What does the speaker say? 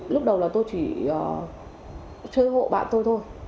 lúc đầu là tôi chỉ chơi hộ bạn tôi thôi